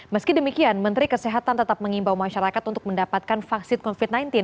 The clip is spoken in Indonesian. meski demikian menteri kesehatan tetap mengimbau masyarakat untuk mendapatkan vaksin covid sembilan belas